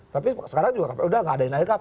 tapi sekarang juga udah nggak ada yang lahir kpk